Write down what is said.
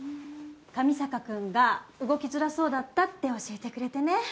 上坂君が「動きづらそうだった」って教えてくれてね。